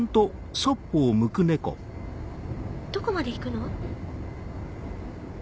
どこまで行くの？